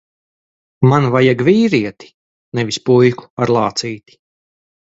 Man vajag vīrieti, nevis puiku ar lācīti.